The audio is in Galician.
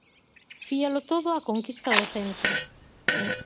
Fialo todo á conquista do centro.